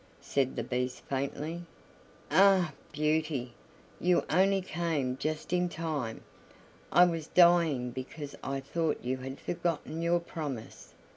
said the Beast faintly. "Ah! Beauty, you only came just in time. I was dying because I thought you had forgotten your promise.